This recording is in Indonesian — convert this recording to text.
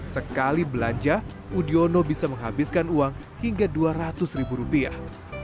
sekali belanja udiono bisa menghabiskan uang hingga dua ratus ribu rupiah